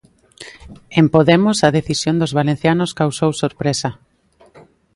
En Podemos, a decisión dos valencianos causou sorpresa.